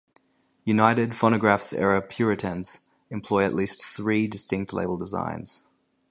United Phonographs-era Puritans employ at least three, distinct label designs.